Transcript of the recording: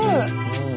うん。